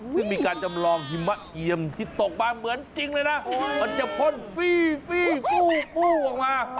ซึ่งมีการจำลองหิมะเอียมที่ตกมาเหมือนจริงเลยนะมันจะพ่นฟี่ฟู้ออกมา